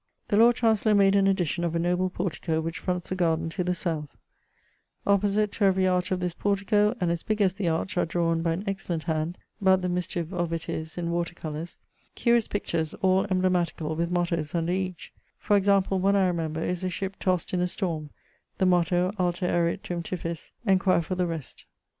The Lord Chancellor made an addition of a noble portico, which fronts the garden to the south: opposite to every arch of this portico, and as big as the arch, are drawen, by an excellent hand (but the mischief of it is, in water colours), curious pictures, all emblematicall, with mottos under each: for example, one I remember is a ship tossed in a storme, the motto, Alter erit tum Tiphys. Enquire for the rest.